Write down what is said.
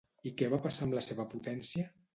I què va passar amb la seva potència?